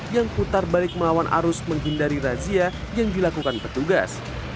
yang putar balik melawan arus menghindari razia yang dilakukan petugas